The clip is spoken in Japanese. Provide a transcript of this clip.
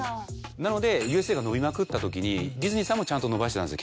なのでＵＳＪが伸びまくったときにディズニーさんもちゃんと伸ばしてたんですよ